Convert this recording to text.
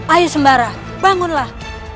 ayo sembarah bangunlah